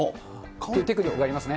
テクニックがありますね。